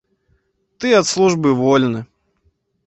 Ты ад службы вольны!